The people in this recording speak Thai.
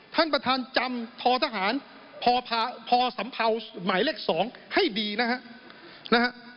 ท่านประธานจำททหารพศให้ดีนะฮะ